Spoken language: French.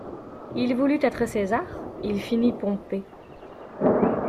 Il voulut être César, il finit Pompée.